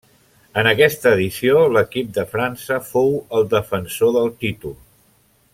En aquesta edició l'equip de França fou el defensor del títol.